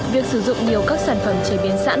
việc sử dụng nhiều các sản phẩm chế biến sẵn